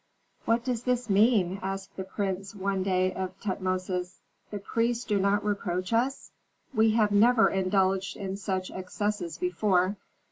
"What does this mean?" asked the prince one day of Tutmosis; "the priests do not reproach us? We have never indulged in such excesses before.